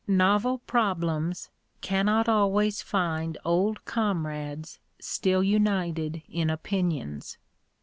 Novel problems cannot always find old comrades still united in opinions.